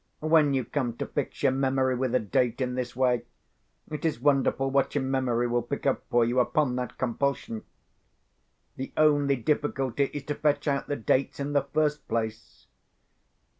When you come to fix your memory with a date in this way, it is wonderful what your memory will pick up for you upon that compulsion. The only difficulty is to fetch out the dates, in the first place.